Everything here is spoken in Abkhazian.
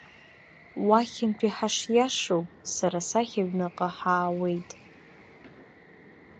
Уахьынтәи ҳашиашоу сара сахь аҩныҟа ҳаауеит.